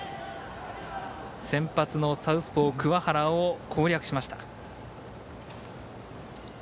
先発のサウスポー桑原を攻略しました。